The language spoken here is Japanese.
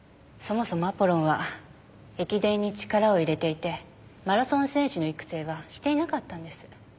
そもそもアポロンは駅伝に力を入れていてマラソン選手の育成はしていなかったんです。